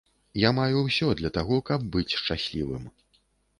Я маю ўсё для таго, каб быць шчаслівым.